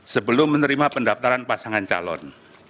sebelum menerima pendaftaran pasangan calon